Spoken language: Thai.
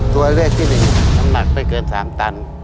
ตัวเลือกที่๑น้ำหนักไม่เกิน๓ตัน